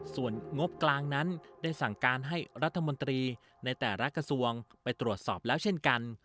ส่วนงบกลางนั้นได้สั่งการให้รัฐมนตรีในแต่ละกระทรวงไปตรวจสอบแล้วเช่นกัน